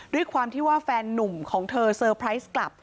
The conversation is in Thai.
ด้วยความที่ว่าแฟนนุ่มของเธอเซอร์ไพรส์กลับ